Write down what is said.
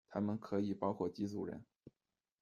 他们可以包括几组人。